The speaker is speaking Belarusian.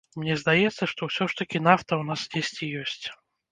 Мне здаецца, што ўсё ж такі нафта ў нас дзесьці ёсць.